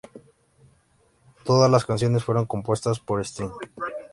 Todas las canciones fueron compuestas por Sting.